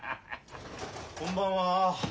・・こんばんは。